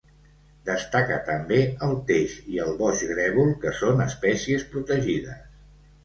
Destaca també el teix i el boix grèvol, que són espècies protegides.